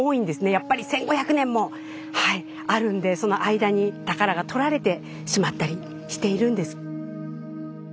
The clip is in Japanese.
やっぱり１，５００年もあるんでその間に宝がとられてしまったりしているんです。